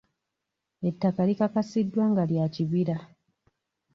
Ettaka likakasiddwa nga lya kibira.